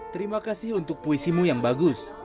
terima kasih untuk puisimu yang bagus